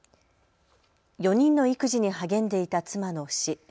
４人の育児に励んでいた妻の死。